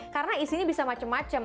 karena isinya bisa macem macem